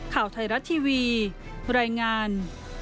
ข่าวไทยรัฐทีวีรายงาน